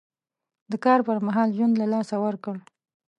د کار پر مهال ژوند له لاسه ورکړ.